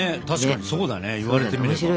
確かにそうだね言われてみれば。